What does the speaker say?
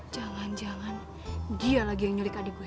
jangan jangan dia lagi yang nyulik adik gue